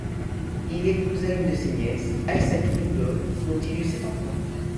Il épousa une de ses nièces, Aissatou Donghol, dont il eut sept enfants.